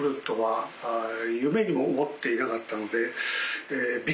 夢にも思っていなかったので。